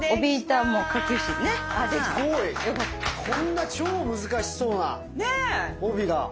こんな超難しそうな帯が。